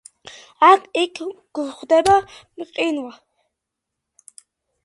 აქა–იქ გვხვდება მყინვარი.